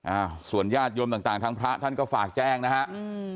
อ่าส่วนญาติโยมต่างต่างทางพระท่านก็ฝากแจ้งนะฮะอืม